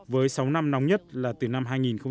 với sáu năm nóng nhất là từ năm hai nghìn một mươi